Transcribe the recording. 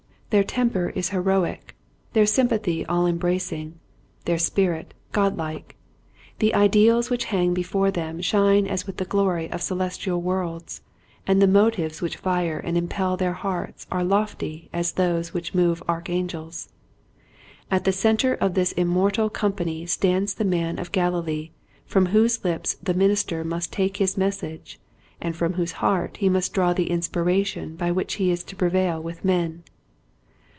Their temper is heroic, their sympathy all embracing, their spirit God like. The ideals which hang before them shine as with the glory of celestial worlds and the motives which fire and impel their hearts are lofty as those which move archangels. At the center of this immortal company stands the man of Galilee from whose lips the minister must take his message and from whose heart he must draw the inspiration by which he is to prevail with men.